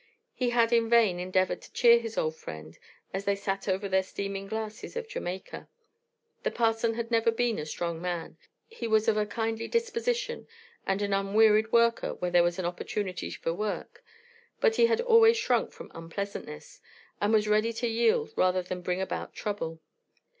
He had in vain endeavored to cheer his old friend as they sat over their steaming glasses of Jamaica. The parson had never been a strong man; he was of a kindly disposition, and an unwearied worker when there was an opportunity for work, but he had always shrunk from unpleasantness, and was ready to yield rather than bring about trouble.